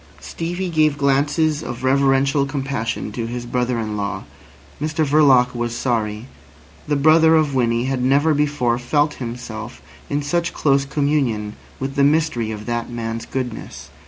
Stevie gave glances of reverential compassion to his brother in law. Mr Verloc was sorry. The brother of Winnie had never before felt himself in such close communion with the mystery of that man's goodness.